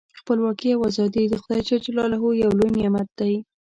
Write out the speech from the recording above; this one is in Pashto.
خپلواکي او ازادي د خدای ج یو لوی نعمت دی.